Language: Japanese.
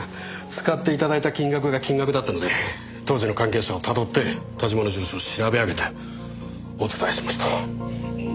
使って頂いた金額が金額だったので当時の関係者をたどって田島の住所を調べ上げてお伝えしました。